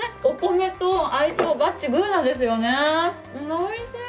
おいしい！